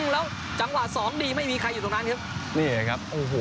แล้วจังหวะสองดีไม่มีใครอยู่ตรงนั้นครับนี่เลยครับโอ้โห